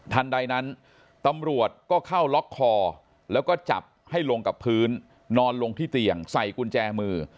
ใดนั้นตำรวจก็เข้าล็อกคอแล้วก็จับให้ลงกับพื้นนอนลงที่เตียงใส่กุญแจมือ